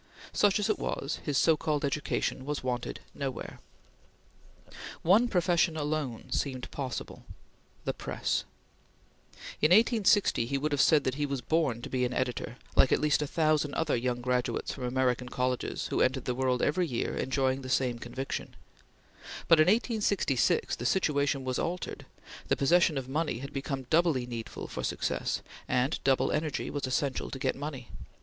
Such as it was, his so called education was wanted nowhere. One profession alone seemed possible the press. In 1860 he would have said that he was born to be an editor, like at least a thousand other young graduates from American colleges who entered the world every year enjoying the same conviction; but in 1866 the situation was altered; the possession of money had become doubly needful for success, and double energy was essential to get money.